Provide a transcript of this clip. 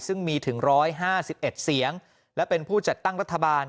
ซึ่งมีถึงร้อยห้าสิบเอ็ดเสียงและเป็นผู้จัดตั้งรัฐบาล